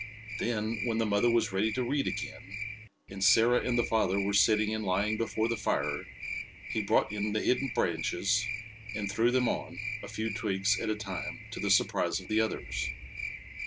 Then, when the mother was ready to read again, and Sarah and the father were sitting and lying before the fire, he brought in the hidden branches and threw them on, a few twigs at a time, to the surprise of the others.